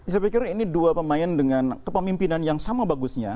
saya pikir ini dua pemain dengan kepemimpinan yang sama bagusnya